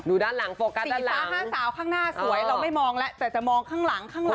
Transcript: ด้านหลังโฟกัสสีฟ้าห้าสาวข้างหน้าสวยเราไม่มองแล้วแต่จะมองข้างหลังข้างหลัง